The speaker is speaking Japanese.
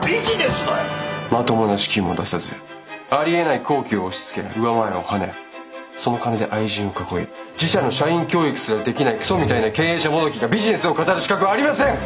まともな資金も出さずありえない工期を押しつけ上前をはねその金で愛人を囲い自社の社員教育すらできないクソみたいな経営者もどきがビジネスを語る資格はありません！